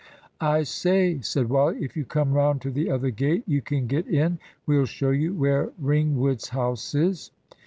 "I say," said Wally, "if you come round to the other gate, you can get in we'll show you where Ringwood's house is."